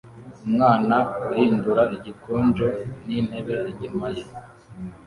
Umwana uhindura igikonjo n'intebe inyuma ye